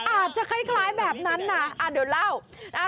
อาจจะคล้ายแบบนั้นนะเดี๋ยวเล่า